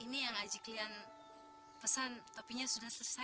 ini yang aji klien pesan topinya sudah selesai